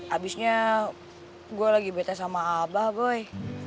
abisnya gue lagi bete sama abah boy